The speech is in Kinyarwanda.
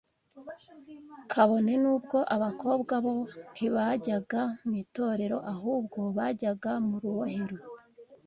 kabone n’ubwo Abakobwa bo ntibajyaga mu itorero ahubwo bajyaga mu rubohero